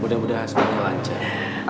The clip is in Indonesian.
mudah mudahan sebetulnya lancar